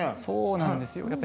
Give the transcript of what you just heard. そうなんですよ。